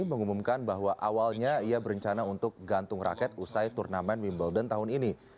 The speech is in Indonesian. mengumumkan bahwa awalnya ia berencana untuk gantung raket usai turnamen wimbledon tahun ini